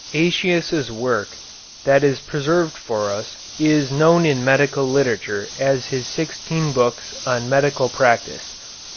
Aëtius' work that is preserved for us is known in medical literature as his sixteen books on medical practice.